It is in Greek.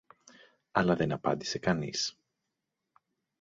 αλλά δεν απάντησε κανείς